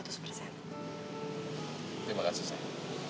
terima kasih sayang